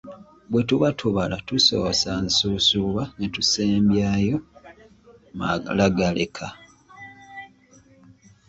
Bwe tuba tubala tusoosa nsuusuuba ne tusembyayo malagaleka.